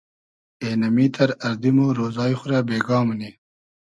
اېنئمیتئر اردی مۉ رۉزای خو رۂ بېگا مونی